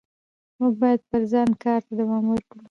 موږ باید پر ځان کار ته دوام ورکړو